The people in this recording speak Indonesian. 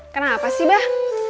kenapa sih bah